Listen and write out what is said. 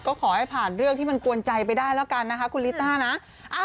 ก็ขอให้ผ่านเรื่องที่มันกวนใจไปได้แล้วกันนะคะคุณลิต้านะ